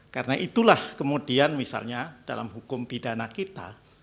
karena itulah kemudian misalnya dalam hukum pidana kita